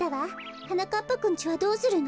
はなかっぱくんちはどうするの？